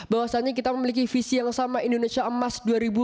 bahwasannya kita memiliki visi yang sama indonesia emas dua ribu dua puluh